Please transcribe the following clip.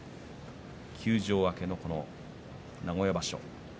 休場明けの名古屋場所。